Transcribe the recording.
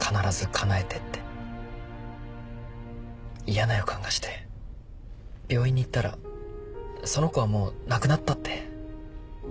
嫌な予感がして病院に行ったらその子はもう亡くなったって。